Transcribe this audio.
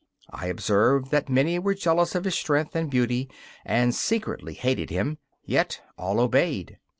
I observed that many were jealous of his strength and beauty, and secretly hated him; yet all obeyed.